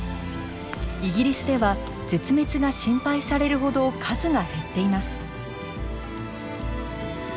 イギリスでは絶滅が心配されるほど数が減っています。